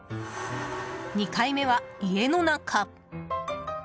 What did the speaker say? ２回目は、家の中。